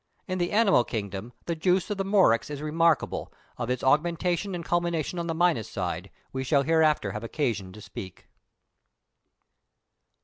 In the animal kingdom the juice of the murex is remarkable; of its augmentation and culmination on the minus side, we shall hereafter have occasion to speak.